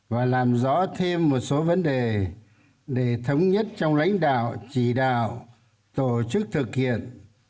và làm rõ thêm một số vấn đề để thống nhất trong lãnh đạo chỉ đạo tổ chức thực hiện